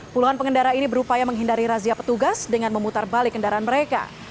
puluhan pengendara ini berupaya menghindari razia petugas dengan memutar balik kendaraan mereka